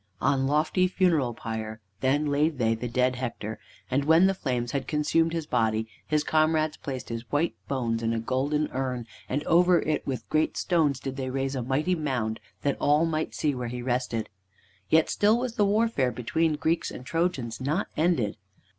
On lofty funeral pyre then laid they the dead Hector, and when the flames had consumed his body his comrades placed his white bones in a golden urn, and over it with great stones did they raise a mighty mound that all might see where he rested. Yet still was the warfare between Greeks and Trojans not ended.